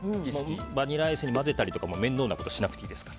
バニラアイスに交ぜたりとか面倒なことしなくていいです。